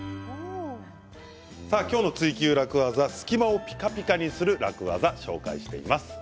今日の「ツイＱ楽ワザ」隙間をピカピカにする楽ワザを紹介しています。